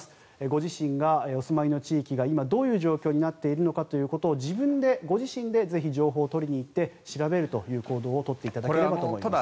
ご自身がお住まいの地域が今どういう状況になっているのか自分でご自身でぜひ情報を取りに行って調べるという行動を取っていただきたいと思います。